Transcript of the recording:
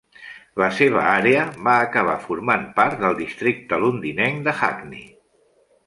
La seva àrea va acabar formant part del districte londinenc de Hackney.